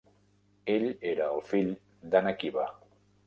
Ell era el fill d'Anaquiba.